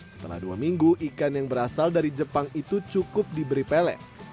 setelah dua minggu ikan yang berasal dari jepang itu cukup diberi pelek